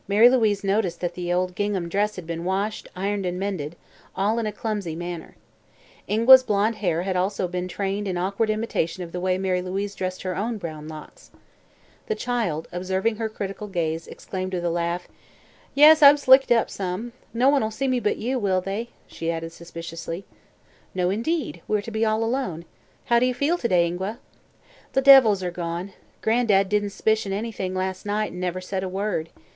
Mary Louise noticed that the old gingham dress had been washed, ironed and mended all in a clumsy manner. Ingua's blond hair had also been trained in awkward imitation of the way Mary Louise dressed her own brown locks. The child, observing her critical gaze, exclaimed with a laugh: "Yes, I've slicked up some. No one'll see me but you, will they?" she added suspiciously. "No, indeed; we're to be all alone. How do you feel to day, Ingua?" "The devils are gone. Gran'dad didn't 'spicion anything las' night an' never said a word.